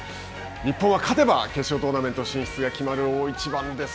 日本は勝てば決勝トーナメント進出が決まる大一番です。